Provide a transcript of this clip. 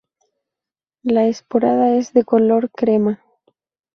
La esporada es de color crema.